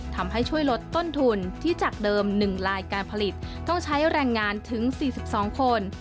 ทำให้ช่วยลดต้นทุนที่จากเดิม๑ลายการผลิตต้องใช้แรงงานถึง๔๒คน